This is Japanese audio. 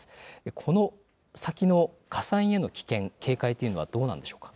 この先の火災への危険、警戒はどうなるんでしょうか。